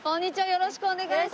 よろしくお願いします。